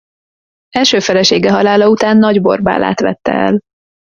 Első felesége halála után Nagy Borbálát vette el.